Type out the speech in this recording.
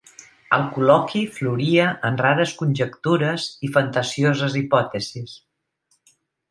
El col·loqui floria en rares conjectures i fantasioses hipòtesis.